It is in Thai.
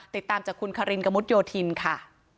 ติดตามจากคุณคารินกระมุดโยธินค่ะ